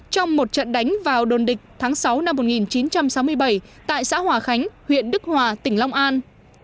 trong một trận đánh vào đồn địch tháng sáu năm một nghìn chín trăm sáu mươi bảy tại xã hòa khánh huyện đức hòa tỉnh long an